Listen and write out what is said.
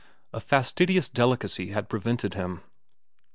A fastidious delicacy had prevented him.